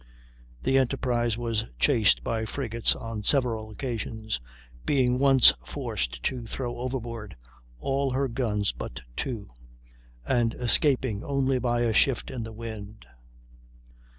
The Enterprise was chased by frigates on several occasions; being once forced to throw overboard all her guns but two, and escaping only by a shift in the wind.